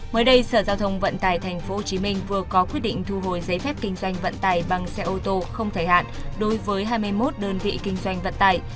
mới đây sở giao thông vận tải tp hcm vừa có quyết định thu hồi giấy phép kinh doanh vận tải bằng xe ô tô không thời hạn đối với hai mươi một đơn vị kinh doanh vận tải